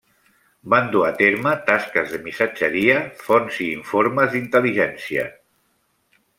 Van dur a terme tasques de missatgeria, fonts i informes d'intel·ligència.